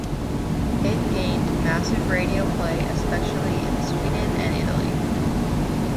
It gained massive radio play especially in Sweden and Italy.